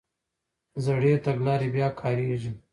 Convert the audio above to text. زړې تګلارې بیا کارېږي.